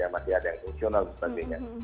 masih ada yang fungsional dan sebagainya